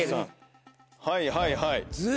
はいはいはい。